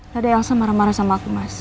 lada elsa marah marah sama aku mas